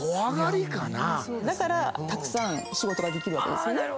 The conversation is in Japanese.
だからたくさん仕事ができるわけですよね。